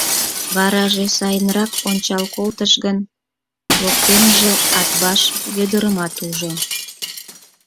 Вараже сайынрак ончал колтыш гын, воктеныже Атбаш Вӧдырымат ужо.